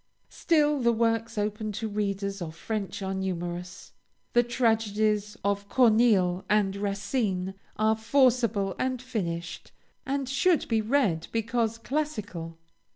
Still the works open to readers of French are numerous. The tragedies of Corneille and Racine are forcible and finished, and should be read because classical.